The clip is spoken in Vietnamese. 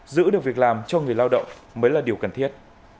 giữ được việc làm cho người lao động mới là điều cần thiết